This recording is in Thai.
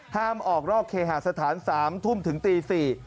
ห้ามออกนอกเคหาสถาน๓ทุ่มถึงตี๔